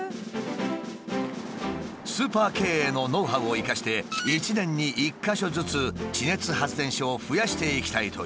スーパー経営のノウハウを生かして１年に１か所ずつ地熱発電所を増やしていきたいという。